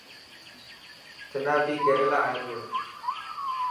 تنا ٻي ڪيريلا آئي پيو.